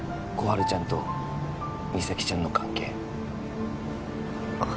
春ちゃんと実咲ちゃんの関係心